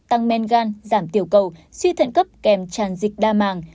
tăng men gan giảm tiểu cầu suy thận cấp kèm tràn dịch đa màng